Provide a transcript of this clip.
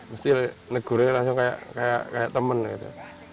mesti negurnya langsung kayak temen gitu